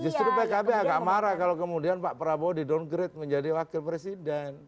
justru pkb enggak marah kalau kemudian pak prabowo didowngrade menjadi wakil presiden